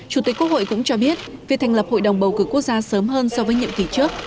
chủ tịch quốc hội cũng cho biết việc thành lập hội đồng bầu cử quốc gia sớm hơn so với nhiệm kỳ trước